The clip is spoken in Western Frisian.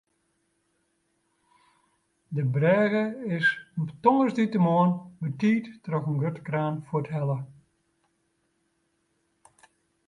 De brêge is tongersdeitemoarn betiid troch in grutte kraan fuorthelle.